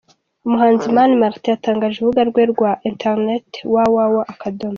Umuhanzi Mani Martin yatangije urubuga rwe rwa internet www.